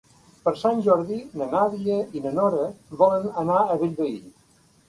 Per Sant Jordi na Nàdia i na Nora volen anar a Bellvei.